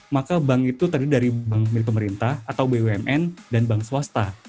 maka bank itu terdiri dari bank milik pemerintah atau bumn dan bank swasta